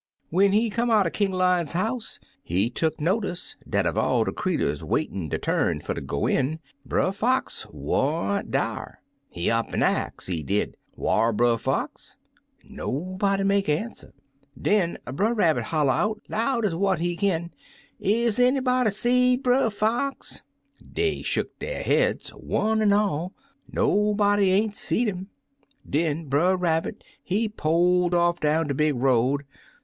"When he come outen King Lion's house, he tuck notice dat uv all de creeturs waitin' der turn fer ter go in. Brer Fox wa'n't dar. He up an' ax, he did, *Whar Brer Fox?' Nobody make answer. Den Brer Rabbit holla out, loud ez what he kin, 87 Uncle Remus Returns 'Is anybody seed Brer Fox?' Dey shuck der heads, one an' all; nobody ain't seed 'im. Den Brer Rabbit he poled off down de big road.